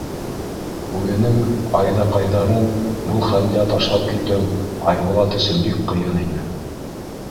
Үҙенең Айҙаҡайҙарын был хәлдә ташлап китеү Айбулат өсөн бик ҡыйын ине.